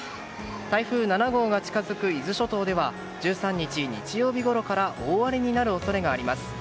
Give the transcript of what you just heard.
台風７号が近づく伊豆諸島では１３日、日曜日ごろから大荒れになる恐れがあります。